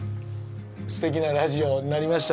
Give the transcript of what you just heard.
すてきなラジオになりました